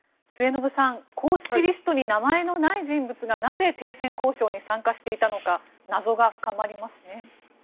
末延さん公式リストに名前のない人物がなぜ停戦交渉に参加していたのか謎が深まりますね。